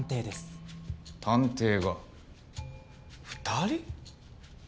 探偵が２人？